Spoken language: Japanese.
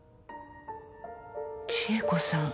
千恵子さん